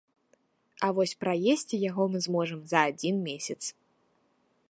А вось праесці яго мы зможам за адзін месяц.